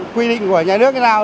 quy định của nhà nước như nào